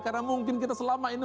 karena mungkin kita selama ini